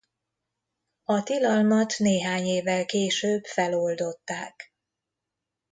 A tilalmat néhány évvel később feloldották.